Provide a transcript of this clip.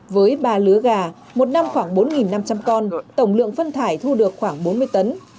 với ba lứa gà một năm khoảng bốn năm trăm linh con tổng lượng phân thải thu được khoảng bốn mươi tấn